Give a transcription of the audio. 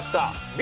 Ｂ。